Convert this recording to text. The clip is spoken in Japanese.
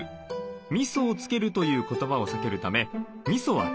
「みそをつける」という言葉を避けるためみそは使いません。